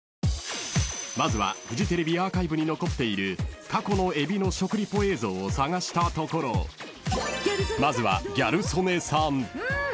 ［まずはフジテレビアーカイブに残っている過去のエビの食リポ映像を捜したところまずは］うん！